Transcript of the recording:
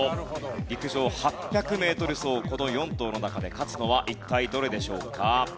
陸上８００メートル走この４頭の中で勝つのは一体どれでしょうか？